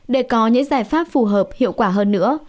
để có những giải pháp phù hợp hiệu quả hơn nữa